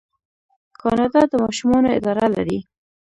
کاناډا د ماشومانو اداره لري.